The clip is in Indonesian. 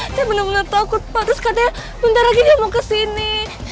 saya bener bener takut pak terus katanya bentar lagi dia mau kesini